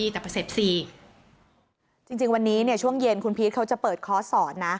จริงวันนี้เนี่ยช่วงเย็นคุณพีชเขาจะเปิดค้าวที่สอน